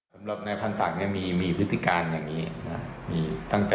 สำหรับในพันธ์ศักดิ์มีพฤติการณ์อย่างนี้